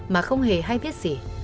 mà không hề hay biết gì